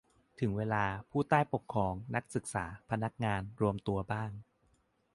ถึงเวลาผู้ใต้ปกครอง นักศึกษา พนักงาน รวมตัวบ้าง